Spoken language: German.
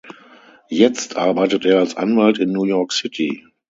Jetzt arbeitet er als Anwalt in New York City.